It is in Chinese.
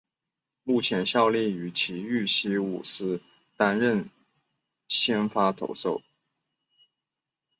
目前效力于崎玉西武狮担任先发投手。